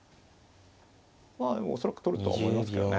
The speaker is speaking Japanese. でも恐らく取るとは思いますけどね。